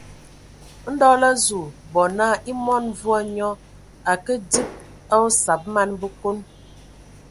Ndɔ lə azu bɔ naa e mɔn mvua nyɔ a ke dzib tsid a osab man Bəkon.